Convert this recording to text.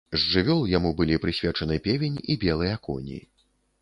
З жывёл яму былі прысвечаны певень і белыя коні.